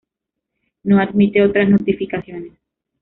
No admite otras notificaciones.